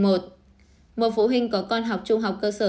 một phụ huynh có con học trung học cơ sở